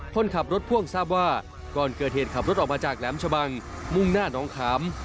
คนขับรถพ่วงทราบว่าก่อนเกิดเหตุขับรถออกมาจากแหลมชะบังมุ่งหน้าน้องขาม